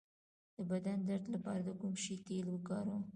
د بدن درد لپاره د کوم شي تېل وکاروم؟